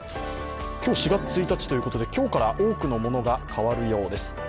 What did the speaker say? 今日、４月１日ということで、今日から多くのものが変わるようです。